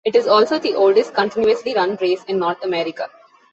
It is also the oldest continuously run race in North America.